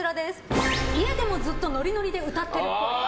家でもずっとノリノリで歌ってるっぽい。